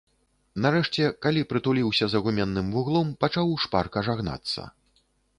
Нарэшце, калі прытуліўся за гуменным вуглом, пачаў шпарка жагнацца.